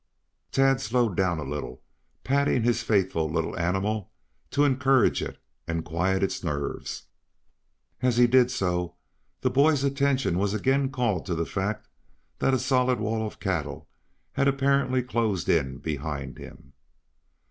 Tad slowed down a little, patting his faithful little animal to encourage it and quiet its nerves. As he did so, the boy's attention was again called to the fact that a solid wall of cattle had apparently closed in behind him.